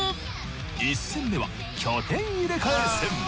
１戦目は拠点入れ替え戦。